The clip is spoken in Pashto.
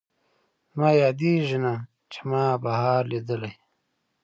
زما یادېږي نه، چې ما بهار لیدلی